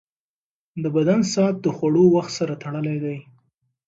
د بدن ساعت د خوړو وخت سره تړلی دی.